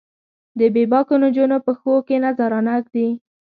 د بې باکو نجونو پښو کې نذرانه ږدي